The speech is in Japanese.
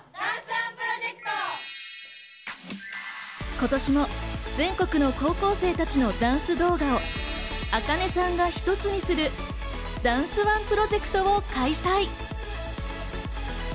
今年も全国の高校生たちのダンス動画をａｋａｎｅさんが一つにするダンスＯＮＥプロジェクトを開催。